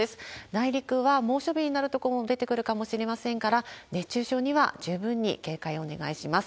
内陸は猛暑日になる所も出てくるかもしれませんから、熱中症には十分に警戒をお願いします。